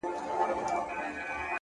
اخلاص د نیکۍ رنګ ژوروي!.